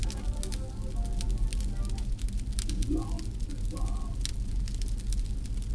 Antiguamente en cada cuadra se ubicaba el busto de un emperador inca.